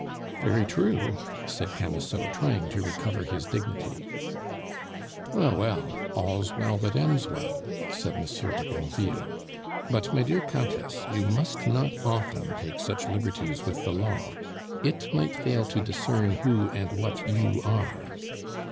"Very true," said Camusot, trying to recover his dignity. "Well, well, 'All's well that ends well,'" said Monsieur de Granville. "But, my dear Countess, you must not often take such liberties with the Law; it might fail to discern who and what you are."